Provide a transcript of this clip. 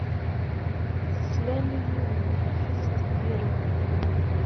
Teslam i yiwen n lḥess deffir-wen.